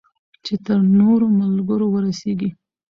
چې تر نورو ملګرو ورسیږي.